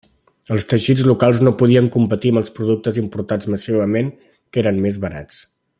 Els teixits locals no podien competir amb els productes importats massivament que eren més barats.